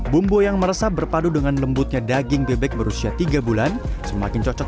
bumbu yang meresap berpadu dengan lembutnya daging bebek berusia tiga bulan semakin cocok